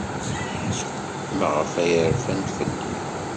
Maɣef ay rfant fell-i?